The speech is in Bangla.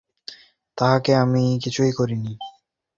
বিন্দুকে আনিবার সময় কত কল্পনাই সে করিয়াছিল!